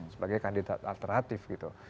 sebagai kandidat alternatif gitu